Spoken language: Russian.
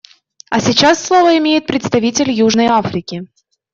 А сейчас слово имеет представитель Южной Африки.